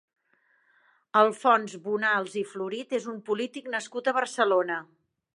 Alfons Bonals i Florit és un polític nascut a Barcelona.